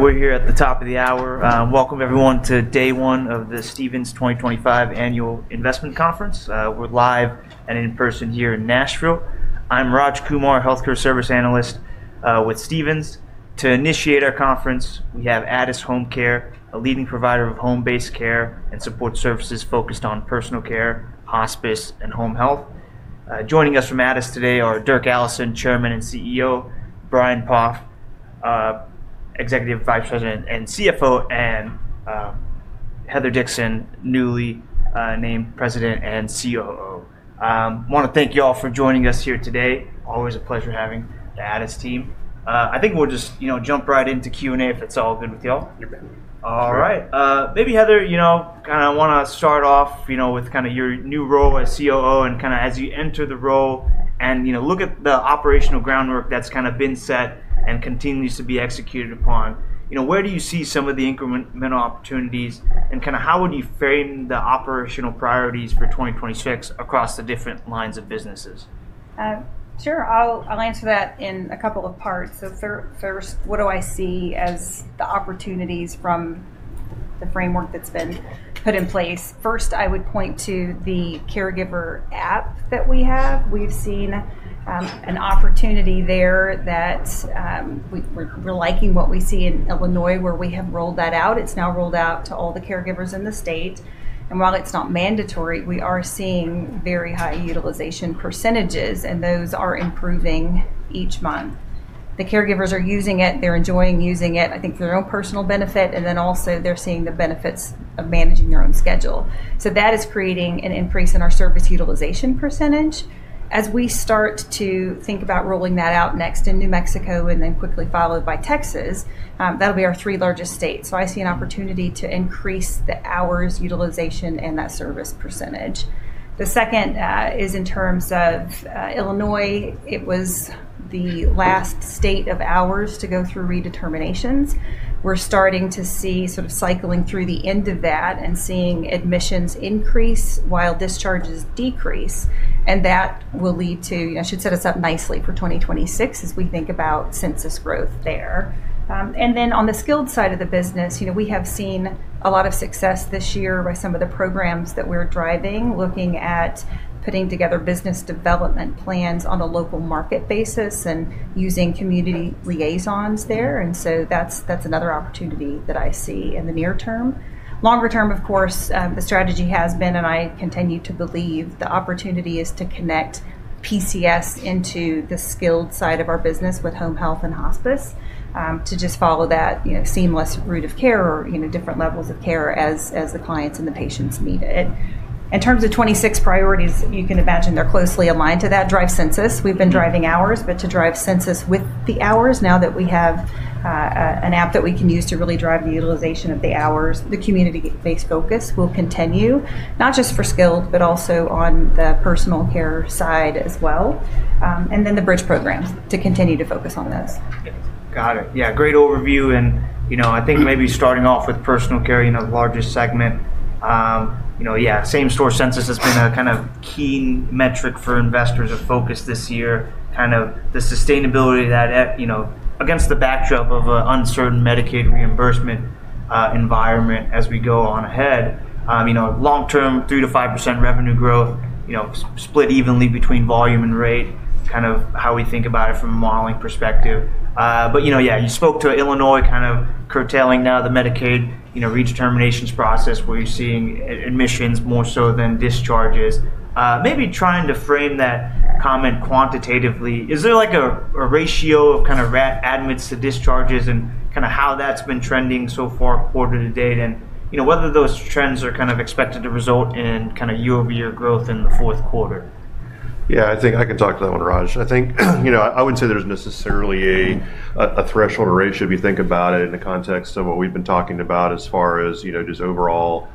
All right, we're here at the top of the hour. Welcome, everyone, to day one of the Stephens 2025 Annual Investment Conference. We're live and in person here in Nashville. I'm Raj Kumar, Healthcare Services Analyst with Stephens. To initiate our conference, we have Addus HomeCare, a leading provider of home-based care and support services focused on personal care, hospice, and home health. Joining us from Addus today are Dirk Allison, Chairman and CEO; Brian Poff, Executive Vice President and CFO; and Heather Dixon, newly named President and COO. I want to thank you all for joining us here today. Always a pleasure having the Addus team. I think we'll just jump right into Q&A if it's all good with you all. Yep. All right. Maybe, Heather, you know, kind of want to start off with kind of your new role as COO and kind of as you enter the role and look at the operational groundwork that's kind of been set and continues to be executed upon. Where do you see some of the incremental opportunities and kind of how would you frame the operational priorities for 2026 across the different lines of businesses? Sure. I'll answer that in a couple of parts. First, what do I see as the opportunities from the framework that's been put in place? First, I would point to the caregiver app that we have. We've seen an opportunity there that we're liking what we see in Illinois, where we have rolled that out. It's now rolled out to all the caregivers in the state. While it's not mandatory, we are seeing very high utilization percentages, and those are improving each month. The caregivers are using it. They're enjoying using it, I think, for their own personal benefit. They are also seeing the benefits of managing their own schedule. That is creating an increase in our service utilization percentage. As we start to think about rolling that out next in New Mexico and then quickly followed by Texas, that'll be our three largest states. I see an opportunity to increase the hours utilization and that service percentage. The second is in terms of Illinois. It was the last state of hours to go through redeterminations. We are starting to see sort of cycling through the end of that and seeing admissions increase while discharges decrease. That will lead to, I should set us up nicely for 2026 as we think about census growth there. On the skilled side of the business, we have seen a lot of success this year by some of the programs that we are driving, looking at putting together business development plans on a local market basis and using community liaisons there. That is another opportunity that I see in the near term. Longer term, of course, the strategy has been, and I continue to believe, the opportunity is to connect PCS into the skilled side of our business with home health and hospice to just follow that seamless route of care or different levels of care as the clients and the patients need it. In terms of 2026 priorities, you can imagine they're closely aligned to that. Drive census. We've been driving hours, but to drive census with the hours, now that we have an app that we can use to really drive the utilization of the hours, the community-based focus will continue, not just for skilled, but also on the personal care side as well. The Bridge programs to continue to focus on those. Got it. Yeah, great overview. I think maybe starting off with personal care, the largest segment, yeah, same-store census has been a kind of key metric for investors of focus this year, kind of the sustainability of that against the backdrop of an uncertain Medicaid reimbursement environment as we go on ahead. Long-term, 3%-5% revenue growth, split evenly between volume and rate, kind of how we think about it from a modeling perspective. Yeah, you spoke to Illinois kind of curtailing now the Medicaid redeterminations process where you're seeing admissions more so than discharges. Maybe trying to frame that comment quantitatively. Is there a ratio of kind of rat admits to discharges and kind of how that's been trending so far quarter to date and whether those trends are kind of expected to result in kind of year-over-year growth in the fourth quarter? Yeah, I think I can talk to that one, Raj. I think I wouldn't say there's necessarily a threshold or ratio if you think about it in the context of what we've been talking about as far as just overall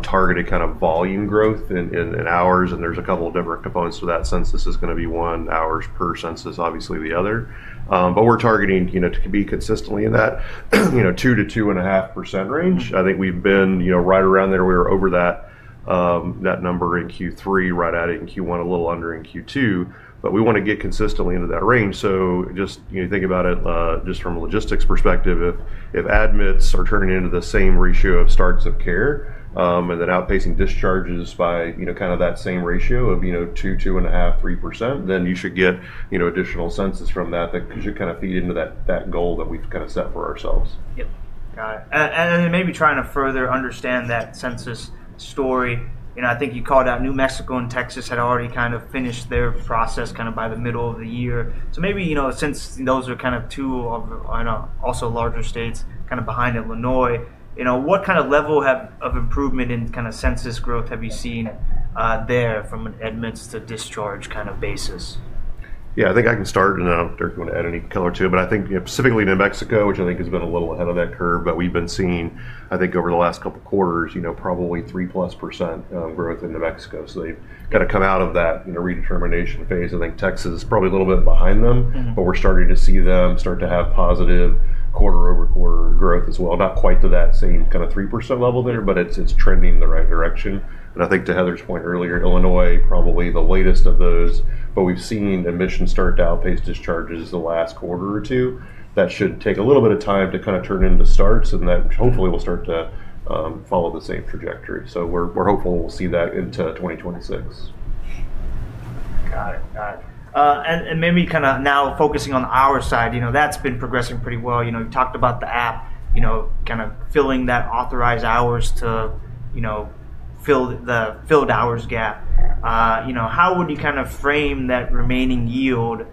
targeted kind of volume growth in hours. And there's a couple of different components to that. Census is going to be one. Hours per census, obviously, the other. But we're targeting to be consistently in that 2%-2.5% range. I think we've been right around there. We were over that number in Q3, right at it in Q1, a little under in Q2. But we want to get consistently into that range. So just think about it just from a logistics perspective. If admits are turning into the same ratio of starts of care and then outpacing discharges by kind of that same ratio of 2%, 2.5%, 3%, then you should get additional census from that that could kind of feed into that goal that we've kind of set for ourselves. Yep. Got it. Maybe trying to further understand that census story. I think you called out New Mexico and Texas had already kind of finished their process kind of by the middle of the year. Maybe since those are kind of two of also larger states kind of behind Illinois, what kind of level of improvement in kind of census growth have you seen there from an admits to discharge kind of basis? Yeah, I think I can start, and Dirk, want to add any color to it. I think specifically New Mexico, which I think has been a little ahead of that curve, but we've been seeing, I think, over the last couple of quarters, probably 3% plus growth in New Mexico. They've kind of come out of that redetermination phase. I think Texas is probably a little bit behind them, but we're starting to see them start to have positive quarter-over-quarter growth as well. Not quite to that same kind of 3% level there, but it's trending in the right direction. I think to Heather's point earlier, Illinois, probably the latest of those. We've seen admissions start to outpace discharges the last quarter or two. That should take a little bit of time to kind of turn into starts, and that hopefully will start to follow the same trajectory. We are hopeful we will see that into 2026. Got it. Got it. Maybe kind of now focusing on our side, that's been progressing pretty well. You talked about the app kind of filling that authorized hours to fill the filled hours gap. How would you kind of frame that remaining yield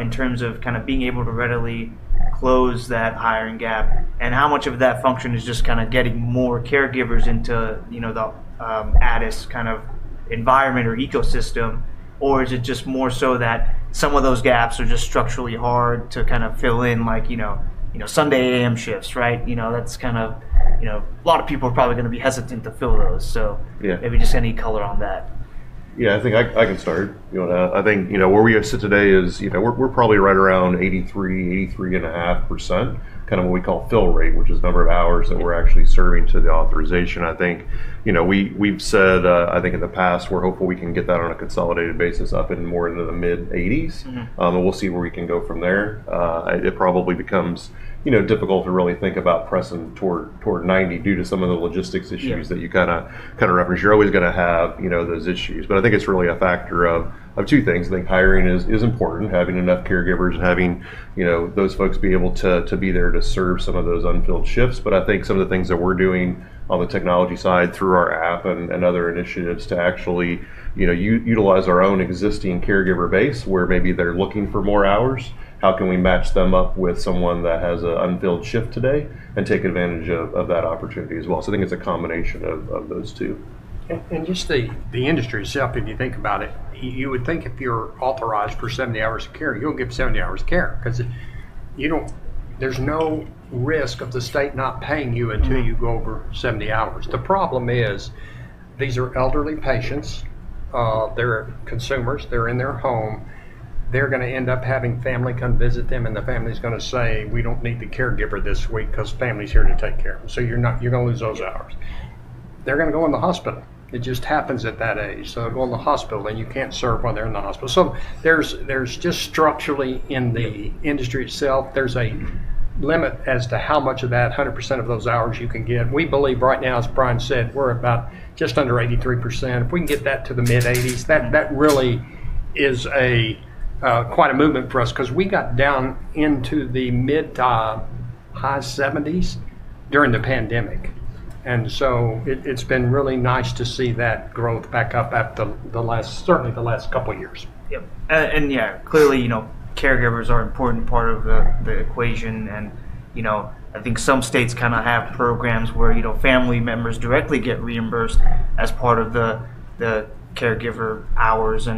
in terms of kind of being able to readily close that hiring gap? How much of that function is just kind of getting more caregivers into the Addus kind of environment or ecosystem, or is it just more so that some of those gaps are just structurally hard to kind of fill in like Sunday A.M. shifts, right? That's kind of a lot of people are probably going to be hesitant to fill those. Maybe just any color on that. Yeah, I think I can start. I think where we are today is we're probably right around 83%-83.5%, kind of what we call fill rate, which is the number of hours that we're actually serving to the authorization. I think we've said, I think in the past, we're hopeful we can get that on a consolidated basis up in more into the mid-80s%. We'll see where we can go from there. It probably becomes difficult to really think about pressing toward 90% due to some of the logistics issues that you kind of reference. You're always going to have those issues. I think it's really a factor of two things. I think hiring is important, having enough caregivers and having those folks be able to be there to serve some of those unfilled shifts. I think some of the things that we're doing on the technology side through our app and other initiatives to actually utilize our own existing caregiver base where maybe they're looking for more hours, how can we match them up with someone that has an unfilled shift today and take advantage of that opportunity as well? I think it's a combination of those two. If you think about it, you would think if you're authorized for 70 hours of care, you'll get 70 hours of care because there's no risk of the state not paying you until you go over 70 hours. The problem is these are elderly patients. They're consumers. They're in their home. They're going to end up having family come visit them, and the family's going to say, "We don't need the caregiver this week because family's here to take care of them." You're going to lose those hours. They're going to go in the hospital. It just happens at that age. They'll go in the hospital, and you can't serve while they're in the hospital. Structurally in the industry itself, there's a limit as to how much of that, 100% of those hours you can get. We believe right now, as Brian said, we're about just under 83%. If we can get that to the mid-80s, that really is quite a movement for us because we got down into the mid-to-high 70s during the pandemic. It has been really nice to see that growth back up after certainly the last couple of years. Yep. And yeah, clearly, caregivers are an important part of the equation. I think some states kind of have programs where family members directly get reimbursed as part of the caregiver hours.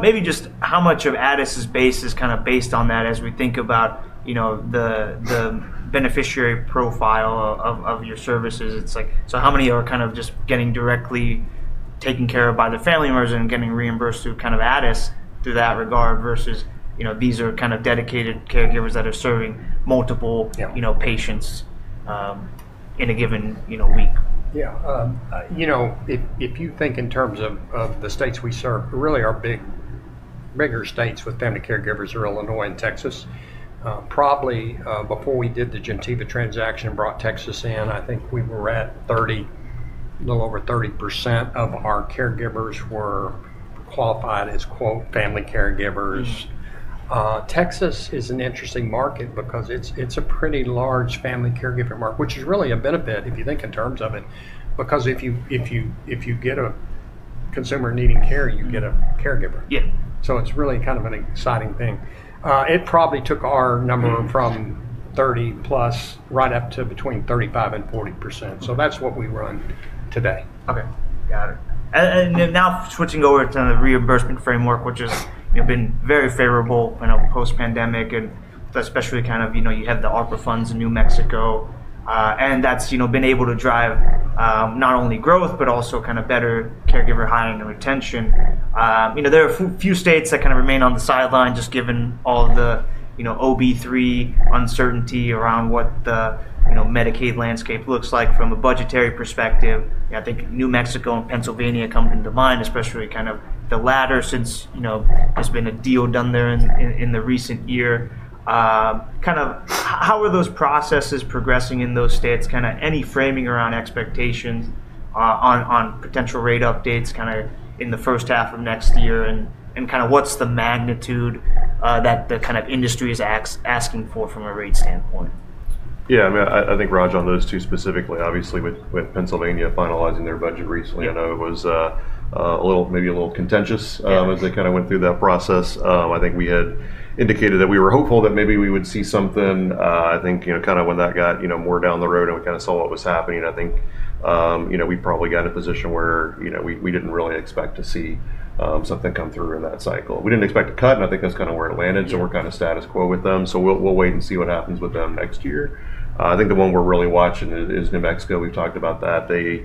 Maybe just how much of Addus's base is kind of based on that as we think about the beneficiary profile of your services. It's like, so how many are kind of just getting directly taken care of by the family members and getting reimbursed through kind of Addus to that regard versus these are kind of dedicated caregivers that are serving multiple patients in a given week? Yeah. You know, if you think in terms of the states we serve, really our bigger states with family caregivers are Illinois and Texas. Probably before we did the Gentiva transaction and brought Texas in, I think we were at 30, a little over 30% of our caregivers were qualified as "family caregivers." Texas is an interesting market because it's a pretty large family caregiver market, which is really a benefit if you think in terms of it, because if you get a consumer needing care, you get a caregiver. So it's really kind of an exciting thing. It probably took our number from 30%+ right up to between 35% and 40%. That is what we run today. Okay. Got it. Now switching over to the reimbursement framework, which has been very favorable post-pandemic, and especially kind of you had the ARPA funds in New Mexico, and that has been able to drive not only growth, but also kind of better caregiver hiring and retention. There are a few states that kind of remain on the sideline just given all the OB3 uncertainty around what the Medicaid landscape looks like from a budgetary perspective. I think New Mexico and Pennsylvania come to mind, especially kind of the latter since there has been a deal done there in the recent year. Kind of how are those processes progressing in those states? Kind of any framing around expectations on potential rate updates kind of in the first half of next year? What is the magnitude that the kind of industry is asking for from a rate standpoint? Yeah, I mean, I think, Raj, on those two specifically, obviously with Pennsylvania finalizing their budget recently, I know it was maybe a little contentious as they kind of went through that process. I think we had indicated that we were hopeful that maybe we would see something. I think kind of when that got more down the road and we kind of saw what was happening, I think we probably got in a position where we didn't really expect to see something come through in that cycle. We didn't expect a cut, and I think that's kind of where it landed, so we're kind of status quo with them. We'll wait and see what happens with them next year. I think the one we're really watching is New Mexico. We've talked about that. They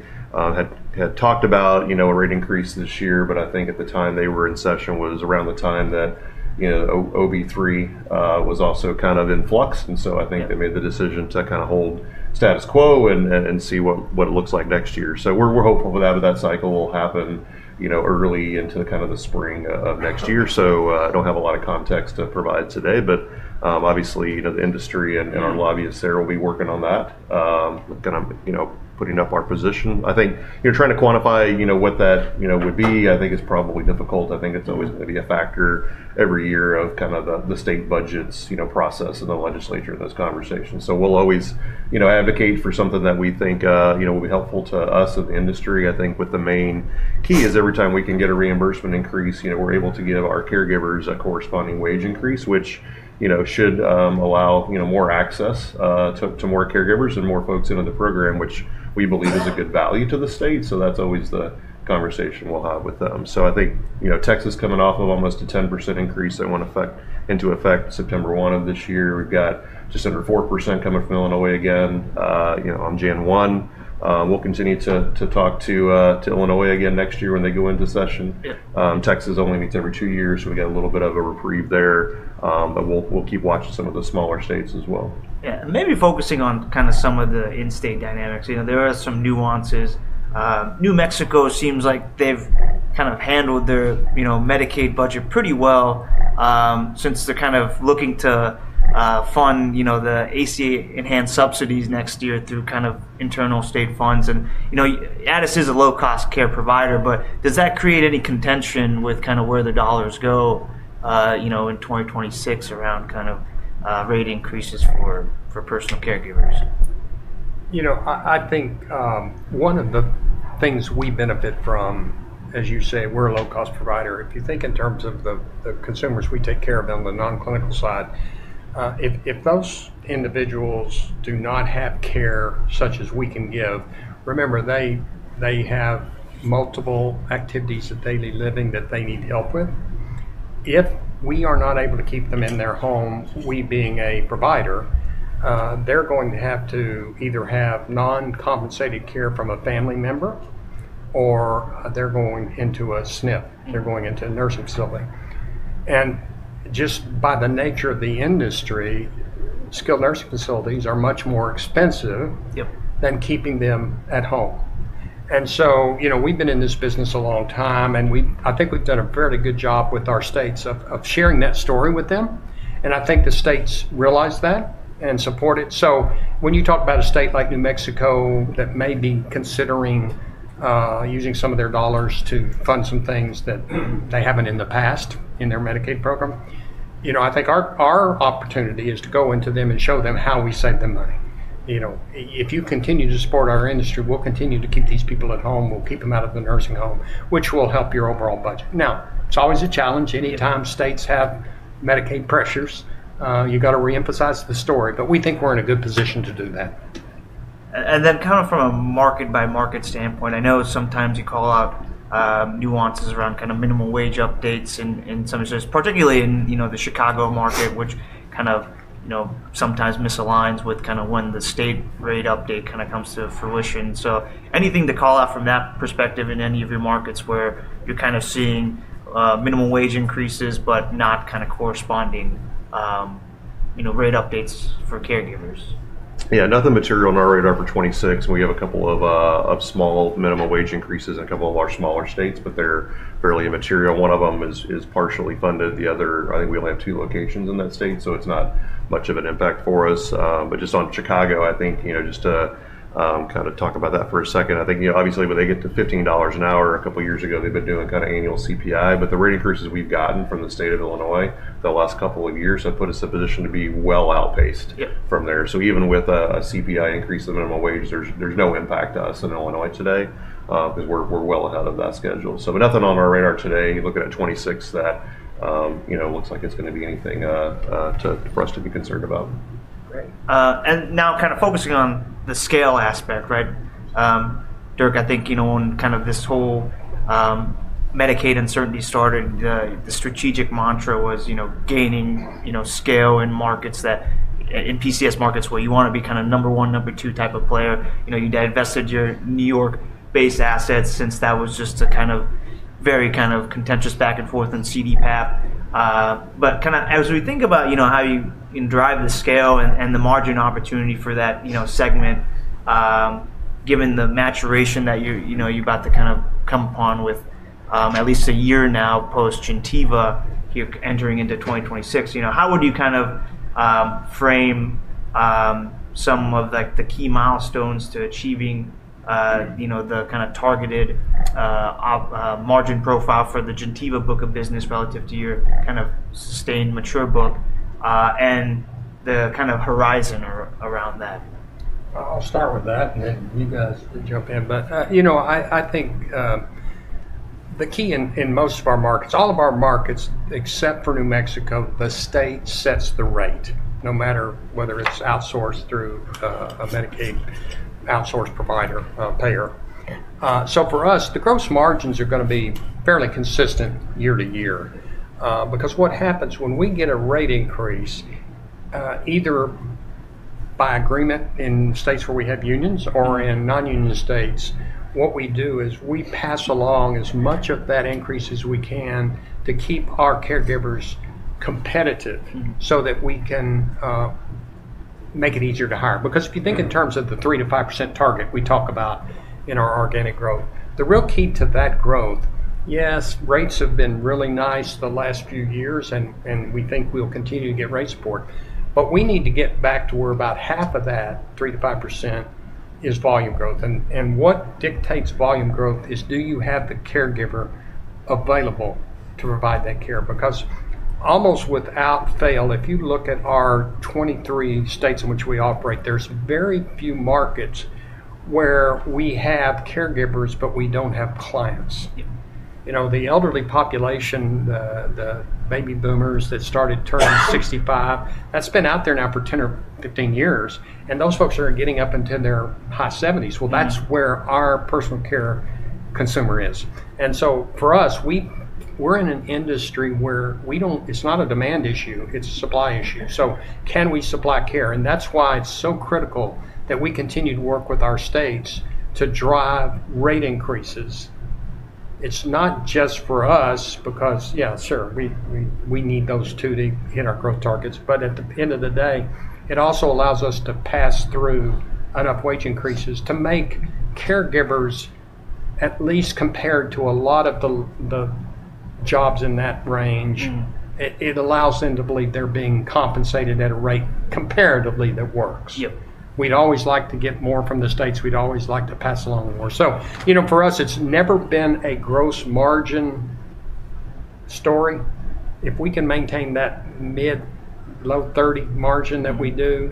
had talked about a rate increase this year, but I think at the time they were in session was around the time that OB3 was also kind of in flux. I think they made the decision to kind of hold status quo and see what it looks like next year. We are hopeful for that, but that cycle will happen early into kind of the spring of next year. I do not have a lot of context to provide today, but obviously the industry and our lobbyists there will be working on that, kind of putting up our position. I think trying to quantify what that would be, I think, is probably difficult. It is always going to be a factor every year of kind of the state budgets process and the legislature and those conversations. We'll always advocate for something that we think will be helpful to us and the industry. I think the main key is every time we can get a reimbursement increase, we're able to give our caregivers a corresponding wage increase, which should allow more access to more caregivers and more folks into the program, which we believe is a good value to the state. That's always the conversation we'll have with them. I think Texas coming off of almost a 10% increase that went into effect September 1 of this year. We've got just under 4% coming from Illinois again on January 1. We'll continue to talk to Illinois again next year when they go into session. Texas only meets every two years, so we got a little bit of a reprieve there, but we'll keep watching some of the smaller states as well. Yeah. Maybe focusing on kind of some of the in-state dynamics. There are some nuances. New Mexico seems like they've kind of handled their Medicaid budget pretty well since they're kind of looking to fund the ACA-enhanced subsidies next year through kind of internal state funds. And Addus is a low-cost care provider, but does that create any contention with kind of where the dollars go in 2026 around kind of rate increases for personal caregivers? You know, I think one of the things we benefit from, as you say, we're a low-cost provider. If you think in terms of the consumers we take care of on the non-clinical side, if those individuals do not have care such as we can give, remember they have multiple activities of daily living that they need help with. If we are not able to keep them in their home, we being a provider, they're going to have to either have non-compensated care from a family member or they're going into a SNF. They're going into a nursing facility. Just by the nature of the industry, skilled nursing facilities are much more expensive than keeping them at home. We've been in this business a long time, and I think we've done a fairly good job with our states of sharing that story with them. I think the states realize that and support it. When you talk about a state like New Mexico that may be considering using some of their dollars to fund some things that they haven't in the past in their Medicaid program, I think our opportunity is to go into them and show them how we save them money. If you continue to support our industry, we'll continue to keep these people at home. We'll keep them out of the nursing home, which will help your overall budget. Now, it's always a challenge. Anytime states have Medicaid pressures, you got to reemphasize the story. But we think we're in a good position to do that. And then kind of from a market-by-market standpoint, I know sometimes you call out nuances around kind of minimum wage updates in some of those, particularly in the Chicago market, which kind of sometimes misaligns with kind of when the state rate update kind of comes to fruition. So anything to call out from that perspective in any of your markets where you're kind of seeing minimum wage increases, but not kind of corresponding rate updates for caregivers? Yeah, nothing material in our radar for 2026. We have a couple of small minimum wage increases in a couple of our smaller states, but they're fairly immaterial. One of them is partially funded. The other, I think we only have two locations in that state, so it's not much of an impact for us. Just on Chicago, I think just to kind of talk about that for a second, I think obviously when they get to $15 an hour, a couple of years ago, they've been doing kind of annual CPI. The rate increases we've gotten from the state of Illinois the last couple of years have put us in a position to be well outpaced from there. Even with a CPI increase in minimum wage, there's no impact to us in Illinois today because we're well ahead of that schedule. Nothing on our radar today. You're looking at 2026 that looks like it's going to be anything for us to be concerned about. Great. Now kind of focusing on the scale aspect, right? Dirk, I think when kind of this whole Medicaid uncertainty started, the strategic mantra was gaining scale in markets that in PCS markets where you want to be kind of number one, number two type of player. You divested your New York-based assets since that was just a kind of very kind of contentious back and forth and CDPAP. As we think about how you drive the scale and the margin opportunity for that segment, given the maturation that you are about to come upon with at least a year now post-Gentiva here entering into 2026, how would you frame some of the key milestones to achieving the targeted margin profile for the Gentiva book of business relative to your sustained mature book and the horizon around that? I will start with that, and then you guys jump in. I think the key in most of our markets, all of our markets except for New Mexico, the state sets the rate no matter whether it is outsourced through a Medicaid outsourced provider payer. For us, the gross margins are going to be fairly consistent year to year because what happens when we get a rate increase, either by agreement in states where we have unions or in non-union states, what we do is we pass along as much of that increase as we can to keep our caregivers competitive so that we can make it easier to hire. Because if you think in terms of the 3%-5% target we talk about in our organic growth, the real key to that growth, yes, rates have been really nice the last few years, and we think we'll continue to get rate support. We need to get back to where about half of that 3%-5% is volume growth. What dictates volume growth is do you have the caregiver available to provide that care? Because almost without fail, if you look at our 23 states in which we operate, there are very few markets where we have caregivers, but we do not have clients. The elderly population, the baby boomers that started turning 65, that has been out there now for 10 years or 15 years, and those folks are getting up into their high 70s. That is where our personal care consumer is. For us, we are in an industry where it is not a demand issue. It is a supply issue. Can we supply care? That is why it is so critical that we continue to work with our states to drive rate increases. It is not just for us because, yeah, sure, we need those too to hit our growth targets. At the end of the day, it also allows us to pass through enough wage increases to make caregivers, at least compared to a lot of the jobs in that range, it allows them to believe they're being compensated at a rate comparatively that works. We'd always like to get more from the states. We'd always like to pass along more. For us, it's never been a gross margin story. If we can maintain that mid-low 30 margin that we do,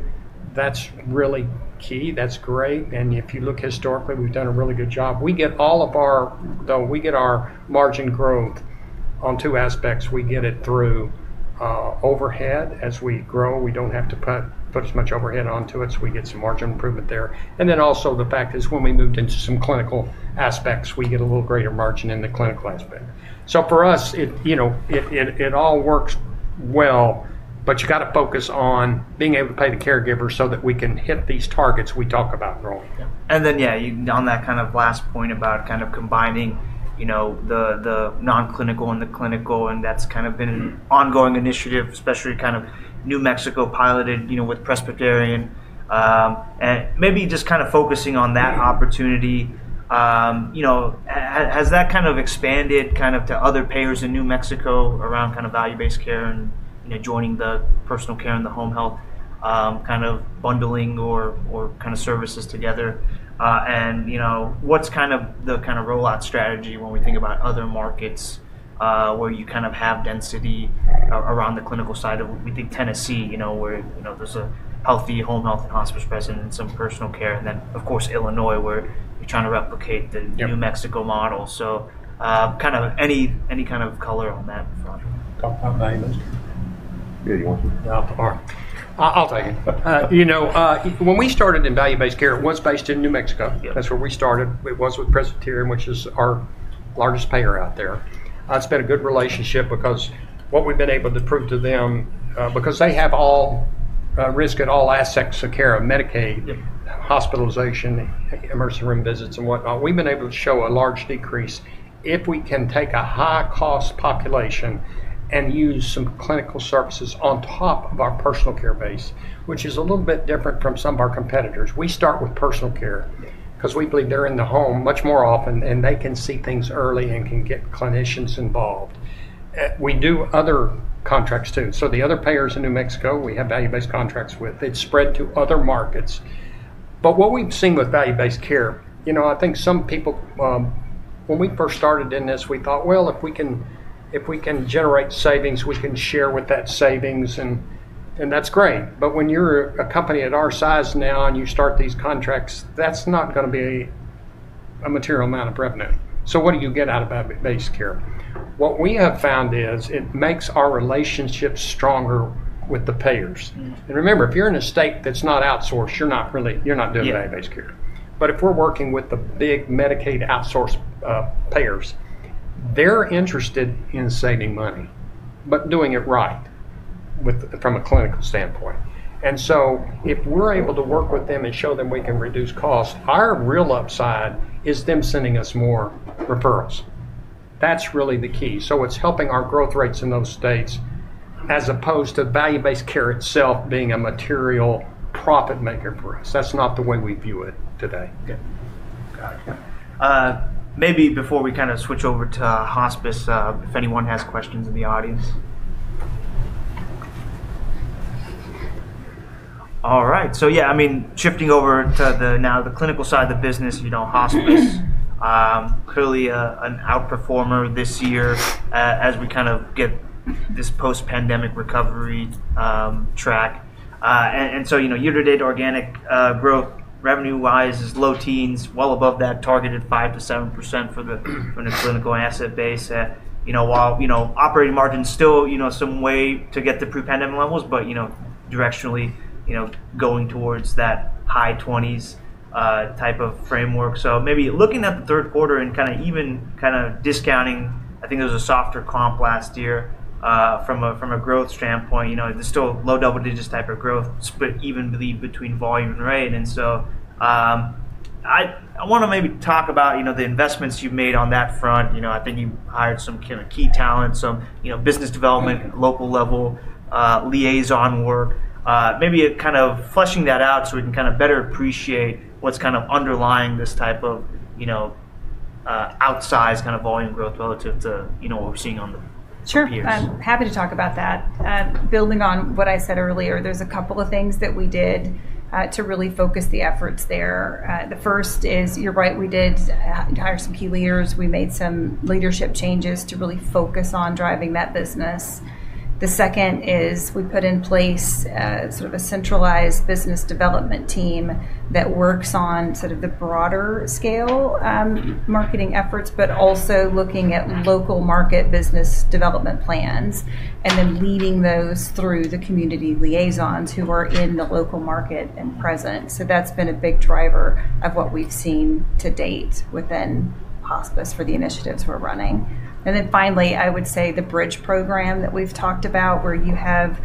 that's really key. That's great. If you look historically, we've done a really good job. We get our margin growth on two aspects. We get it through overhead as we grow. We don't have to put as much overhead onto it, so we get some margin improvement there. The fact is when we moved into some clinical aspects, we get a little greater margin in the clinical aspect. For us, it all works well, but you got to focus on being able to pay the caregivers so that we can hit these targets we talk about growing. On that kind of last point about kind of combining the non-clinical and the clinical, that's kind of been an ongoing initiative, especially kind of New Mexico piloted with Presbyterian. Maybe just kind of focusing on that opportunity, has that kind of expanded to other payers in New Mexico around value-based care and joining the personal care and the home health kind of bundling or services together? What's kind of the kind of rollout strategy when we think about other markets where you kind of have density around the clinical side of, we think, Tennessee, where there's a healthy home health and hospice presence and some personal care, and then, of course, Illinois, where you're trying to replicate the New Mexico model. Any kind of color on that front? Yeah, you want to? I'll take it. When we started in value-based care, it was based in New Mexico. That's where we started. It was with Presbyterian, which is our largest payer out there. It's been a good relationship because what we've been able to prove to them, because they have all risk at all aspects of care, Medicaid, hospitalization, emergency room visits, and whatnot, we've been able to show a large decrease if we can take a high-cost population and use some clinical services on top of our personal care base, which is a little bit different from some of our competitors. We start with personal care because we believe they're in the home much more often, and they can see things early and can get clinicians involved. We do other contracts too. The other payers in New Mexico, we have value-based contracts with. It's spread to other markets. What we've seen with value-based care, I think some people, when we first started in this, we thought, well, if we can generate savings, we can share with that savings, and that's great. When you're a company at our size now and you start these contracts, that's not going to be a material amount of revenue. What do you get out of value-based care? What we have found is it makes our relationship stronger with the payers. Remember, if you're in a state that's not outsourced, you're not doing value-based care. If we're working with the big Medicaid outsource payers, they're interested in saving money, but doing it right from a clinical standpoint. If we're able to work with them and show them we can reduce costs, our real upside is them sending us more referrals. That's really the key. It's helping our growth rates in those states as opposed to value-based care itself being a material profit maker for us. That's not the way we view it today. Gotcha. Maybe before we kind of switch over to hospice, if anyone has questions in the audience. All right. Yeah, I mean, shifting over to now the clinical side of the business, hospice, clearly an outperformer this year as we kind of get this post-pandemic recovery track. Year-to-date organic growth revenue-wise is low teens, well above that targeted 5%-7% for the clinical asset base. While operating margin still some way to get to pre-pandemic levels, but directionally going towards that high 20s type of framework. Maybe looking at the third quarter and kind of even kind of discounting, I think there was a softer comp last year from a growth standpoint. There's still low double digits type of growth, but even believe between volume and rate. I want to maybe talk about the investments you've made on that front. I think you hired some key talent, some business development, local level liaison work. Maybe kind of flushing that out so we can kind of better appreciate what's kind of underlying this type of outsized kind of volume growth relative to what we're seeing on the peers. Sure. I'm happy to talk about that. Building on what I said earlier, there's a couple of things that we did to really focus the efforts there. The first is, you're right, we did hire some key leaders. We made some leadership changes to really focus on driving that business. The second is we put in place sort of a centralized business development team that works on sort of the broader scale marketing efforts, but also looking at local market business development plans and then leading those through the community liaisons who are in the local market and present. That has been a big driver of what we've seen to date within hospice for the initiatives we're running. Finally, I would say the Bridge program that we've talked about, where you have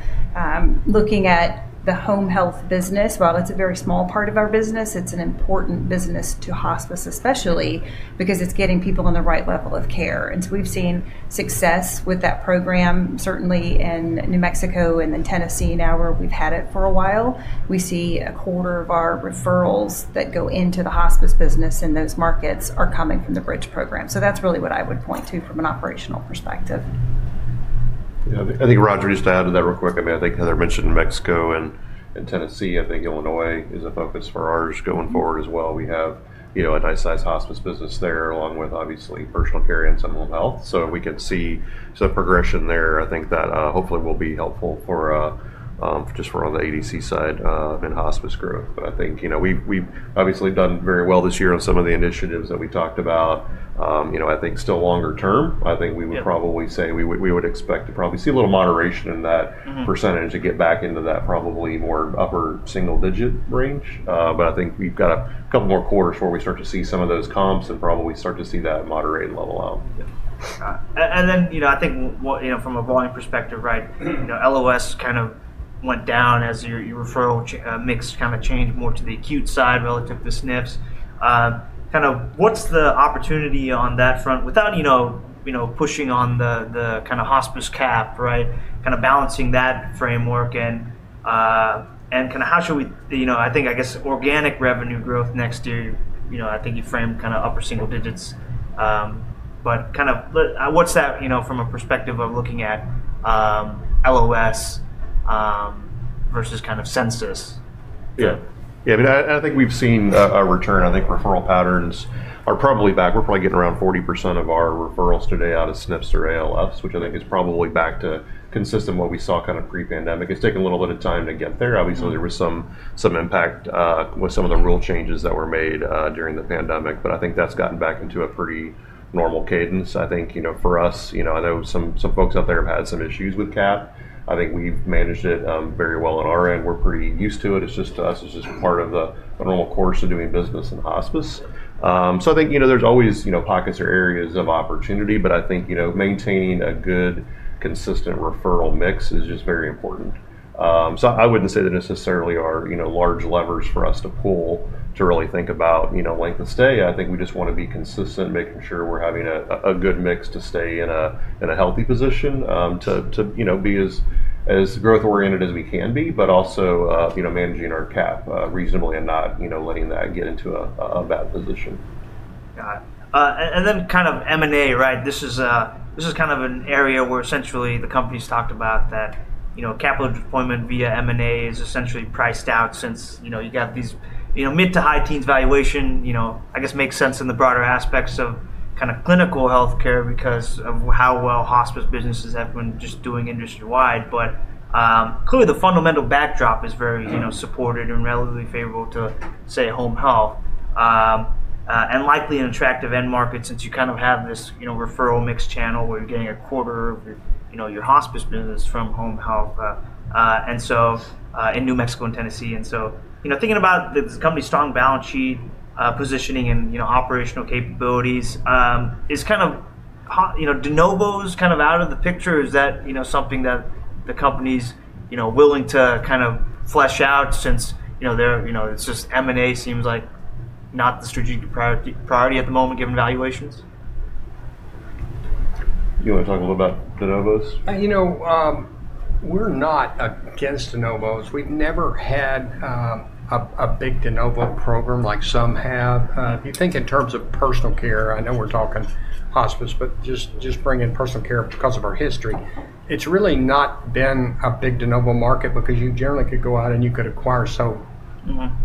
looking at the home health business. While it's a very small part of our business, it's an important business to hospice, especially because it's getting people on the right level of care. We have seen success with that program, certainly in New Mexico and in Tennessee now, where we've had it for a while. We see a quarter of our referrals that go into the hospice business in those markets are coming from the Bridge program. That is really what I would point to from an operational perspective. I think Raj just added that real quick. I mean, I think Heather mentioned New Mexico and Tennessee. I think Illinois is a focus for ours going forward as well. We have a nice size hospice business there along with, obviously, personal care and some home health. We can see some progression there. I think that hopefully will be helpful just for on the ADC side in hospice growth. I think we have obviously done very well this year on some of the initiatives that we talked about. I think still longer term, I think we would probably say we would expect to probably see a little moderation in that percentage to get back into that probably more upper single digit range. I think we've got a couple more quarters where we start to see some of those comps and probably start to see that moderate and level out. I think from a volume perspective, right, LOS kind of went down as your referral mix kind of changed more to the acute side relative to SNFs. Kind of what's the opportunity on that front without pushing on the kind of hospice cap, right, kind of balancing that framework? How should we, I think, I guess, organic revenue growth next year, I think you framed kind of upper single digits. Kind of what's that from a perspective of looking at LOS versus kind of census? Yeah. Yeah. I mean, I think we've seen a return. I think referral patterns are probably back. We're probably getting around 40% of our referrals today out of SNFs or ALFs, which I think is probably back to consistent with what we saw kind of pre-pandemic. It's taken a little bit of time to get there. Obviously, there was some impact with some of the rule changes that were made during the pandemic, but I think that's gotten back into a pretty normal cadence. I think for us, I know some folks out there have had some issues with cap. I think we've managed it very well on our end. We're pretty used to it. To us, it's just part of the normal course of doing business in hospice. I think there's always pockets or areas of opportunity, but I think maintaining a good consistent referral mix is just very important. I wouldn't say there necessarily are large levers for us to pull to really think about length of stay. I think we just want to be consistent, making sure we're having a good mix to stay in a healthy position to be as growth-oriented as we can be, but also managing our cap reasonably and not letting that get into a bad position. Got it. Kind of M&A, right? This is kind of an area where essentially the company's talked about that capital deployment via M&A is essentially priced out since you got these mid-to-high teens valuation, I guess, makes sense in the broader aspects of kind of clinical healthcare because of how well hospice businesses have been just doing industry-wide. Clearly, the fundamental backdrop is very supported and relatively favorable to, say, home health and likely an attractive end market since you kind of have this referral mix channel where you're getting a quarter of your hospice business from home health in New Mexico and Tennessee. Thinking about the company's strong balance sheet positioning and operational capabilities, is kind of de novo is kind of out of the picture. Is that something that the company's willing to kind of flesh out since it's just M&A seems like not the strategic priority at the moment given valuations? You want to talk a little about de novos? We're not against de novos. We've never had a big de novo program like some have. If you think in terms of personal care, I know we're talking hospice, but just bringing personal care because of our history, it's really not been a big de novo market because you generally could go out and you could acquire so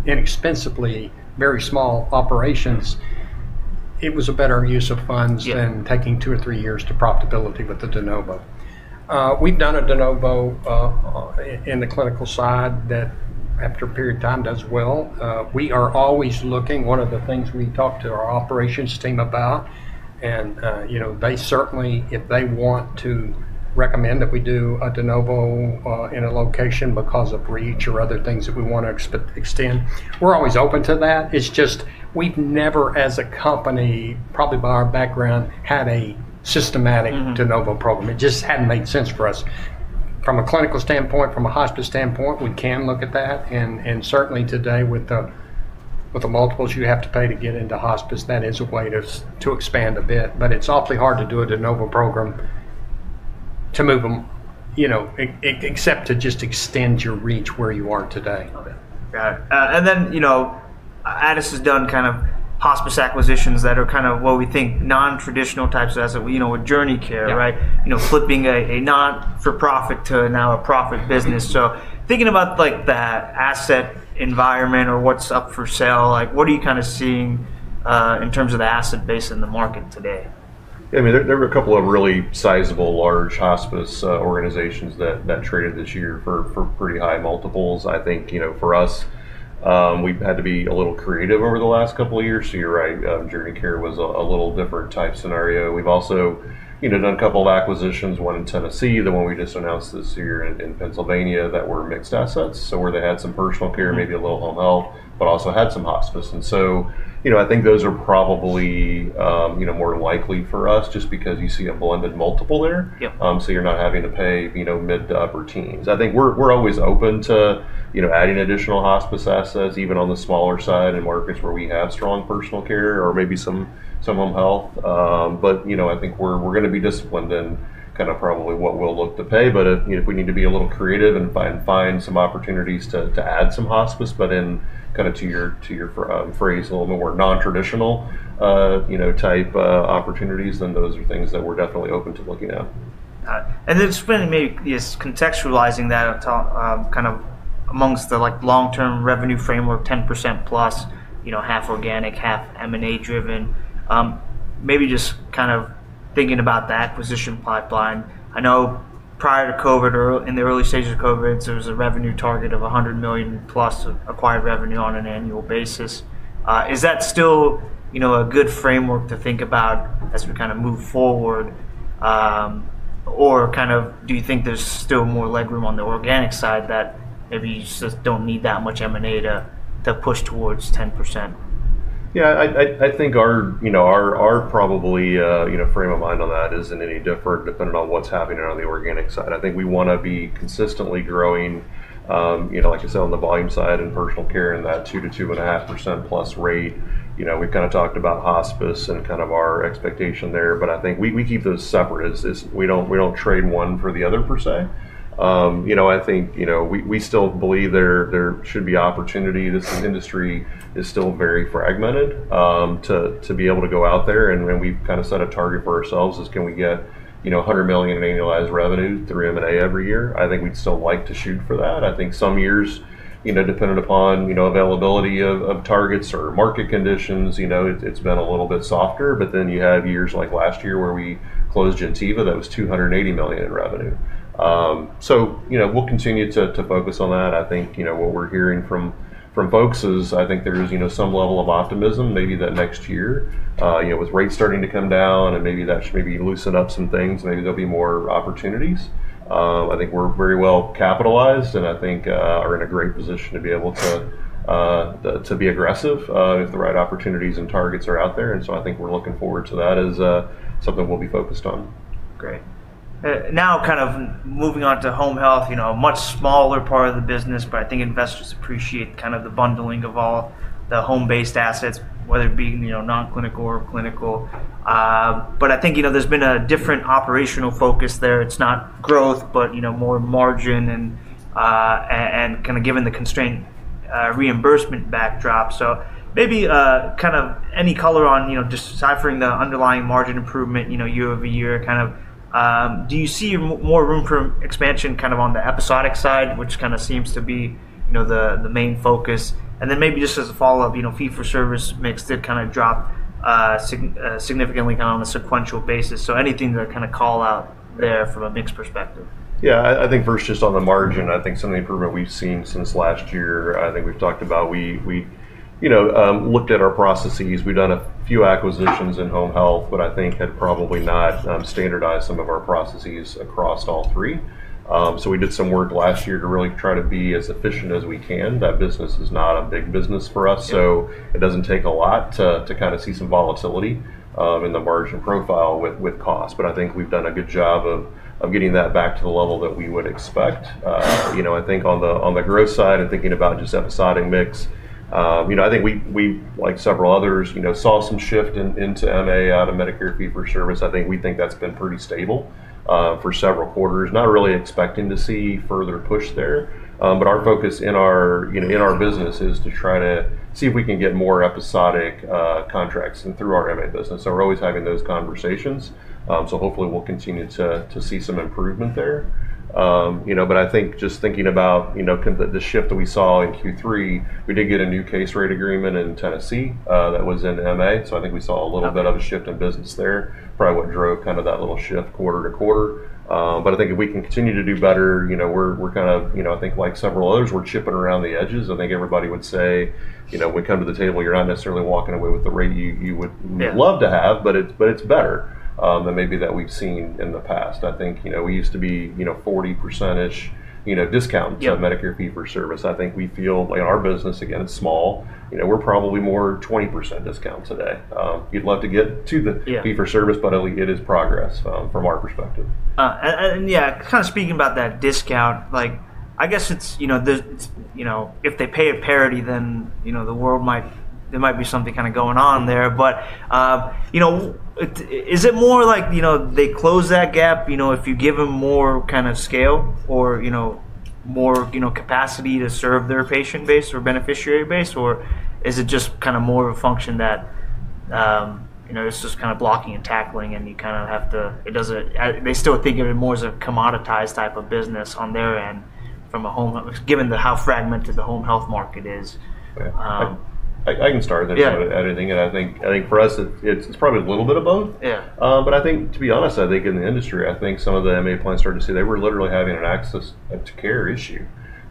inexpensively very small operations. It was a better use of funds than taking two or three years to profitability with the de novo. We've done a de novo in the clinical side that after a period of time does well. We are always looking. One of the things we talk to our operations team about, and they certainly, if they want to recommend that we do a de novo in a location because of reach or other things that we want to extend, we're always open to that. It's just we've never, as a company, probably by our background, had a systematic de novo program. It just hadn't made sense for us. From a clinical standpoint, from a hospice standpoint, we can look at that. Certainly today, with the multiples you have to pay to get into hospice, that is a way to expand a bit. It is awfully hard to do a de novo program to move them, except to just extend your reach where you are today. Got it. Addus has done kind of hospice acquisitions that are kind of what we think non-traditional types of assets, with JourneyCare, right? Flipping a not-for-profit to now a profit business. Thinking about that asset environment or what is up for sale, what are you kind of seeing in terms of the asset base in the market today? I mean, there were a couple of really sizable large hospice organizations that traded this year for pretty high multiples. I think for us, we've had to be a little creative over the last couple of years. You're right, JourneyCare was a little different type scenario. We've also done a couple of acquisitions, one in Tennessee, the one we just announced this year in Pennsylvania, that were mixed assets. Where they had some personal care, maybe a little home health, but also had some hospice. I think those are probably more likely for us just because you see a blended multiple there. You're not having to pay mid-to-upper teens. I think we're always open to adding additional hospice assets, even on the smaller side in markets where we have strong personal care or maybe some home health. I think we're going to be disciplined in kind of probably what we'll look to pay. If we need to be a little creative and find some opportunities to add some hospice, but in kind of, to your phrase, a little more non-traditional type opportunities, then those are things that we're definitely open to looking at. Got it. Spending maybe just contextualizing that kind of amongst the long-term revenue framework, 10%+, half organic, half M&A driven, maybe just kind of thinking about the acquisition pipeline. I know prior to COVID or in the early stages of COVID, there was a revenue target of $100 million+ acquired revenue on an annual basis. Is that still a good framework to think about as we kind of move forward? Or do you think there's still more legroom on the organic side that maybe you just do not need that much M&A to push towards 10%? Yeah. I think our probably frame of mind on that isn't any different depending on what's happening on the organic side. I think we want to be consistently growing, like I said, on the volume side in personal care and that 2%-2.5%+ rate. We've kind of talked about hospice and kind of our expectation there. I think we keep those separate. We don't trade one for the other per se. I think we still believe there should be opportunity. This industry is still very fragmented to be able to go out there. When we've kind of set a target for ourselves as can we get $100 million in annualized revenue through M&A every year, I think we'd still like to shoot for that. I think some years, depending upon availability of targets or market conditions, it's been a little bit softer. Then you have years like last year where we closed Gentiva that was $280 million in revenue. We will continue to focus on that. I think what we are hearing from folks is I think there is some level of optimism maybe that next year with rates starting to come down and maybe that should maybe loosen up some things. Maybe there will be more opportunities. I think we are very well capitalized and I think are in a great position to be able to be aggressive if the right opportunities and targets are out there. I think we are looking forward to that as something we will be focused on. Great. Now kind of moving on to home health, a much smaller part of the business, but I think investors appreciate kind of the bundling of all the home-based assets, whether it be non-clinical or clinical. But I think there's been a different operational focus there. It's not growth, but more margin and kind of given the constraint reimbursement backdrop. Maybe kind of any color on deciphering the underlying margin improvement year over year. Kind of do you see more room for expansion kind of on the episodic side, which kind of seems to be the main focus? Then maybe just as a follow-up, fee-for-service mix did kind of drop significantly kind of on a sequential basis. Anything to kind of call out there from a mix perspective? Yeah. I think first just on the margin, I think some of the improvement we've seen since last year, I think we've talked about. We looked at our processes. We've done a few acquisitions in home health, but I think had probably not standardized some of our processes across all three. We did some work last year to really try to be as efficient as we can. That business is not a big business for us. It does not take a lot to kind of see some volatility in the margin profile with cost. I think we have done a good job of getting that back to the level that we would expect. I think on the growth side and thinking about just episodic mix, I think we, like several others, saw some shift into M&A out of Medicare fee-for-service. I think we think that has been pretty stable for several quarters, not really expecting to see further push there. Our focus in our business is to try to see if we can get more episodic contracts through our M&A business. We are always having those conversations. Hopefully we will continue to see some improvement there. I think just thinking about the shift that we saw in Q3, we did get a new case rate agreement in Tennessee that was in M&A. I think we saw a little bit of a shift in business there, probably what drove kind of that little shift quarter to quarter. I think if we can continue to do better, we're kind of, I think like several others, we're chipping around the edges. I think everybody would say when we come to the table, you're not necessarily walking away with the rate you would love to have, but it's better than maybe that we've seen in the past. I think we used to be 40%-ish discounts on Medicare fee-for-service. I think we feel in our business, again, it's small. We're probably more 20% discount today. You'd love to get to the fee-for-service, but at least it is progress from our perspective. Yeah, kind of speaking about that discount, I guess if they pay at parity, then there might be something kind of going on there. Is it more like they close that gap if you give them more scale or more capacity to serve their patient base or beneficiary base? Or is it just more of a function that it's just blocking and tackling and you kind of have to, they still think of it more as a commoditized type of business on their end from a home health, given how fragmented the home health market is? I can start there. I think for us, it's probably a little bit of both. I think, to be honest, I think in the industry, I think some of the M&A plans started to see they were literally having an access to care issue.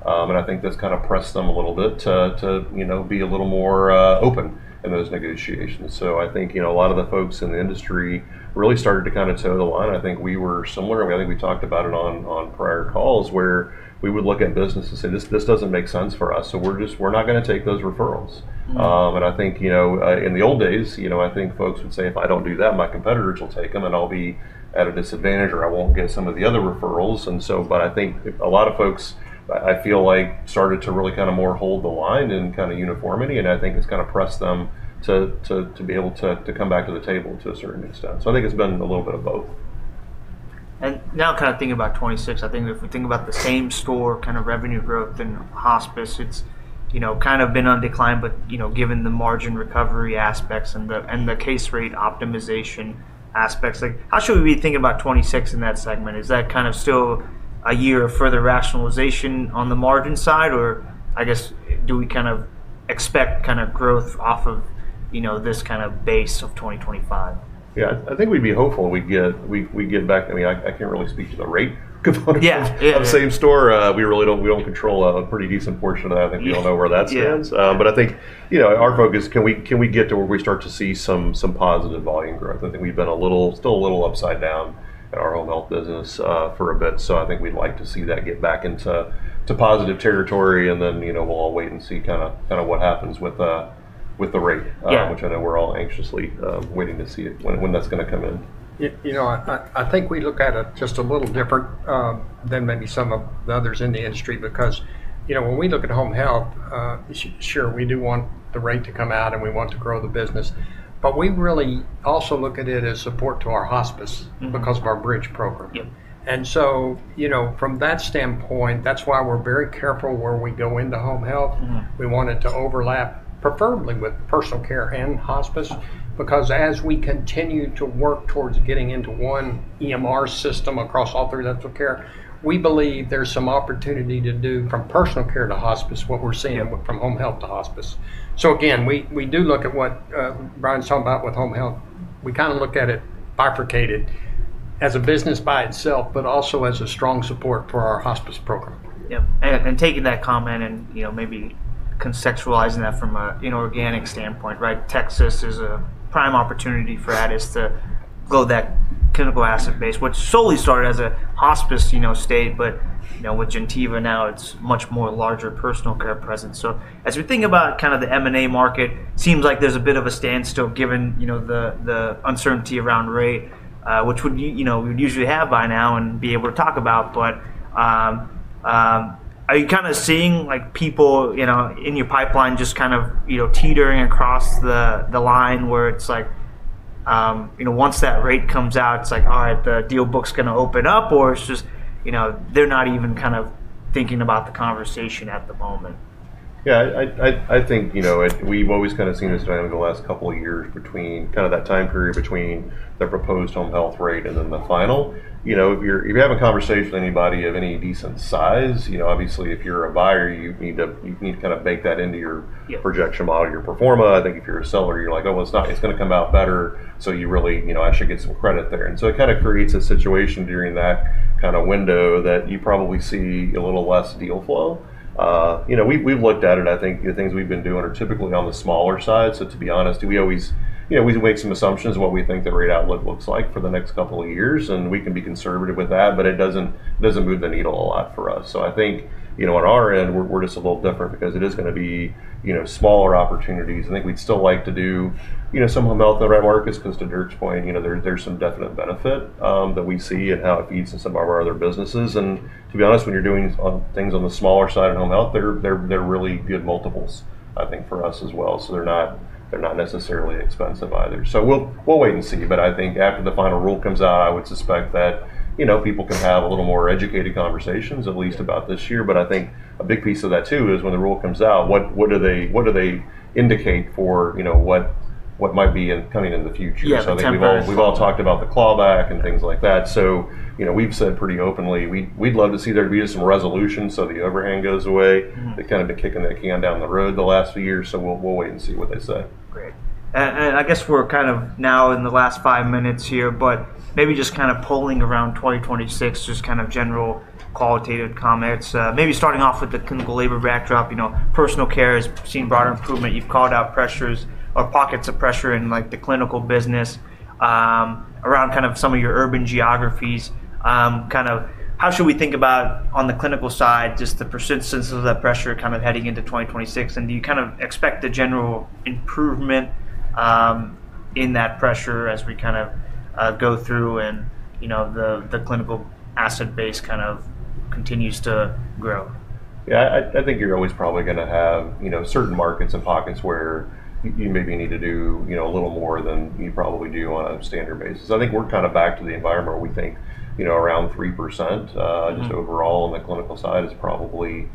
I think that's kind of pressed them a little bit to be a little more open in those negotiations. I think a lot of the folks in the industry really started to kind of toe the line. I think we were similar. I think we talked about it on prior calls where we would look at business and say, "This doesn't make sense for us. We're not going to take those referrals. I think in the old days, folks would say, "If I don't do that, my competitors will take them and I'll be at a disadvantage or I won't get some of the other referrals." I think a lot of folks started to really kind of more hold the line in uniformity. I think it's pressed them to be able to come back to the table to a certain extent. I think it's been a little bit of both. Now, thinking about 2026, if we think about the same-store revenue growth in hospice, it's kind of been on decline. Given the margin recovery aspects and the case rate optimization aspects, how should we be thinking about 2026 in that segment? Is that kind of still a year of further rationalization on the margin side? I guess do we kind of expect kind of growth off of this kind of base of 2025? Yeah. I think we'd be hopeful we get back to, I mean, I can't really speak to the rate component of the same-store. We don't control a pretty decent portion of that. I think we all know where that stands. I think our focus is can we get to where we start to see some positive volume growth? I think we've been still a little upside down in our home health business for a bit. I think we'd like to see that get back into positive territory. We will all wait and see kind of what happens with the rate, which I know we are all anxiously waiting to see when that is going to come in. I think we look at it just a little different than maybe some of the others in the industry because when we look at home health, sure, we do want the rate to come out and we want to grow the business. We really also look at it as support to our hospice because of our Bridge program. From that standpoint, that is why we are very careful where we go into home health. We want it to overlap preferably with personal care and hospice because as we continue to work towards getting into one EMR system across all three levels of care, we believe there's some opportunity to do from personal care to hospice what we're seeing from home health to hospice. Again, we do look at what Brian's talking about with home health. We kind of look at it bifurcated as a business by itself, but also as a strong support for our hospice program. Yeah. Taking that comment and maybe contextualizing that from an organic standpoint, right? Texas is a prime opportunity for Addus to grow that clinical asset base, which solely started as a hospice state. With Gentiva now, it's much more larger personal care presence. As we think about kind of the M&A market, it seems like there's a bit of a standstill given the uncertainty around rate, which we would usually have by now and be able to talk about. Are you kind of seeing people in your pipeline just kind of teetering across the line where it's like once that rate comes out, it's like, "All right, the deal book's going to open up," or it's just they're not even kind of thinking about the conversation at the moment? Yeah. I think we've always kind of seen this dynamic the last couple of years between kind of that time period between the proposed home health rate and then the final. If you're having a conversation with anybody of any decent size, obviously, if you're a buyer, you need to kind of bake that into your projection model, your pro forma. I think if you're a seller, you're like, "Oh, it's going to come out better." You really actually get some credit there. It kind of creates a situation during that kind of window that you probably see a little less deal flow. We've looked at it. I think the things we've been doing are typically on the smaller side. To be honest, we always make some assumptions of what we think the rate outlook looks like for the next couple of years. We can be conservative with that, but it doesn't move the needle a lot for us. I think on our end, we're just a little different because it is going to be smaller opportunities. I think we'd still like to do some home health in the right markets because to Dirk's point, there's some definite benefit that we see in how it feeds to some of our other businesses. To be honest, when you're doing things on the smaller side of home health, they're really good multiples, I think, for us as well. They're not necessarily expensive either. We'll wait and see. I think after the final rule comes out, I would suspect that people can have a little more educated conversations, at least about this year. I think a big piece of that too is when the rule comes out, what do they indicate for what might be coming in the future? I think we've all talked about the clawback and things like that. We have said pretty openly, we'd love to see there be some resolution so the overhang goes away. They have kind of been kicking that can down the road the last few years. We will wait and see what they say. Great. I guess we are kind of now in the last five minutes here, but maybe just kind of polling around 2026, just kind of general qualitative comments. Maybe starting off with the clinical labor backdrop, personal care has seen broader improvement. You have called out pressures or pockets of pressure in the clinical business around some of your urban geographies. How should we think about on the clinical side, just the persistence of that pressure heading into 2026? Do you kind of expect the general improvement in that pressure as we kind of go through and the clinical asset base kind of continues to grow? Yeah. I think you're always probably going to have certain markets and pockets where you maybe need to do a little more than you probably do on a standard basis. I think we're kind of back to the environment where we think around 3% just overall on the clinical side is probably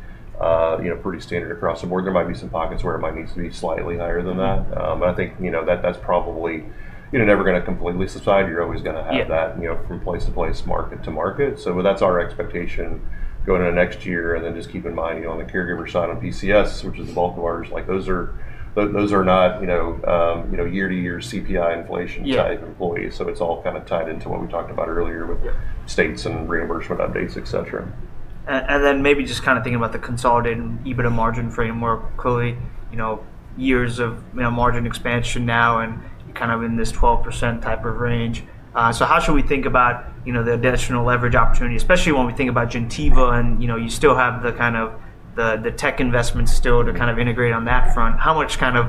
pretty standard across the board. There might be some pockets where it might need to be slightly higher than that. I think that's probably never going to completely subside. You're always going to have that from place to place, market to market. That's our expectation going into next year. Just keep in mind on the caregiver side on PCS, which is the bulk of ours, those are not year-to-year CPI inflation-type employees. It is all kind of tied into what we talked about earlier with states and reimbursement updates, etc. Maybe just kind of thinking about the consolidated EBITDA margin framework, clearly years of margin expansion now and kind of in this 12% type of range. How should we think about the additional leverage opportunity, especially when we think about Gentiva and you still have the kind of the tech investments still to kind of integrate on that front? How much kind of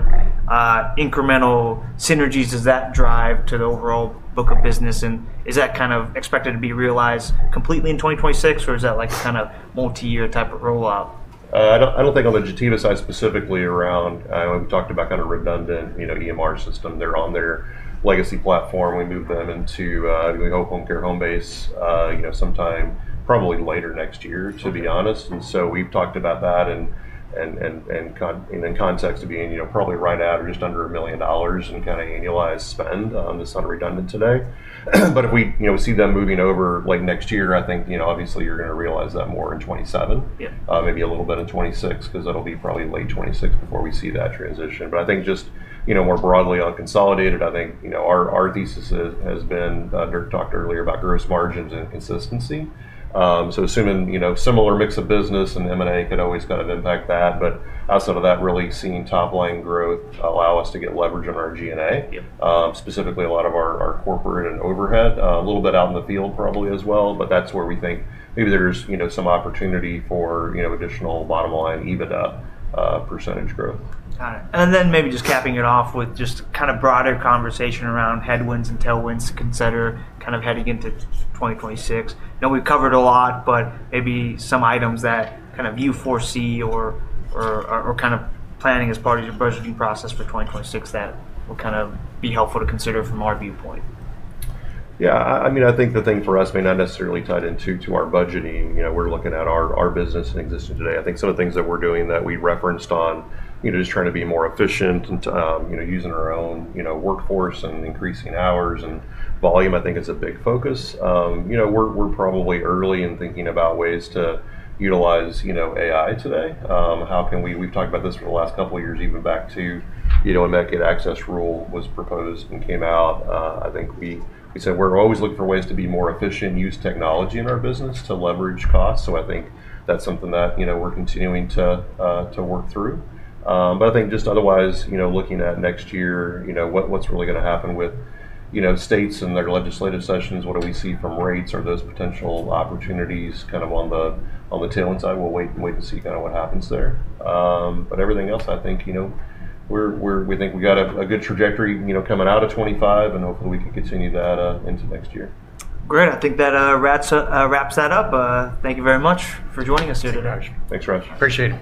incremental synergies does that drive to the overall book of business? Is that kind of expected to be realized completely in 2026, or is that like kind of multi-year type of rollout? I don't think on the Gentiva side specifically around, we talked about kind of redundant EMR system. They're on their legacy platform. We moved them into HomeCare Homebase sometime probably later next year, to be honest. And so we've talked about that in context of being probably right at or just under $1 million in kind of annualized spend. It's not redundant today. If we see them moving over late next year, I think obviously you're going to realize that more in 2027, maybe a little bit in 2026 because it'll be probably late 2026 before we see that transition. I think just more broadly on consolidated, I think our thesis has been, Dirk talked earlier about gross margins and consistency. Assuming similar mix of business and M&A could always kind of impact that. Outside of that, really seeing top-line growth allow us to get leverage on our G&A, specifically a lot of our corporate and overhead, a little bit out in the field probably as well. That is where we think maybe there is some opportunity for additional bottom-line EBITDA percentage growth. Got it. Maybe just capping it off with just kind of broader conversation around headwinds and tailwinds to consider heading into 2026. I know we have covered a lot, but maybe some items that you foresee or are planning as part of your budgeting process for 2026 that will be helpful to consider from our viewpoint. Yeah. I mean, I think the thing for us may not necessarily tie into our budgeting. We are looking at our business and existing today. I think some of the things that we're doing that we referenced on just trying to be more efficient and using our own workforce and increasing hours and volume, I think is a big focus. We're probably early in thinking about ways to utilize AI today. How can we? We've talked about this for the last couple of years, even back to when Medicaid access rule was proposed and came out. I think we said we're always looking for ways to be more efficient and use technology in our business to leverage costs. I think that's something that we're continuing to work through. I think just otherwise looking at next year, what's really going to happen with states and their legislative sessions? What do we see from rates? Are those potential opportunities kind of on the tailwind side? We'll wait and see kind of what happens there. Everything else, I think we got a good trajectory coming out of 2025, and hopefully we can continue that into next year. Great. I think that wraps that up. Thank you very much for joining us today. Thanks, Raj. Appreciate it.